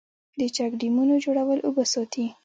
د چک ډیمونو جوړول اوبه ساتي